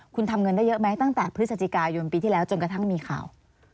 คุณทำเงินได้เยอะไหมตั้งแต่พฤศจิกายนปีที่แล้วจนกระทั่งมีข่าว